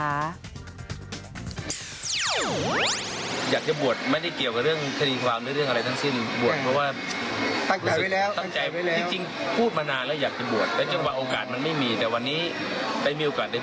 อยากจะบวชไม่ได้เกี่ยวกับเรื่องคณีความหรือเรื่องอะไรทั้งสิ้น